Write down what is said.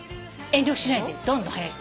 遠慮しないでどんどん生やして。